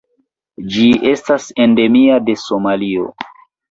Ĝi estas endemia de Somalio.